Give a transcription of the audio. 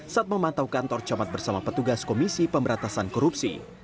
saat memantau kantor camat bersama petugas komisi pemberantasan korupsi